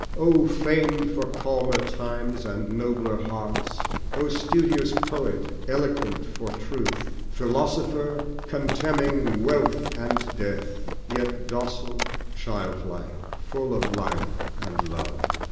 O framed for calmer times and nobler hearts! O studious Poet, eloquent for truth! Philosopher! contemning wealth and death, Yet docile, childlike, full of Life and Love.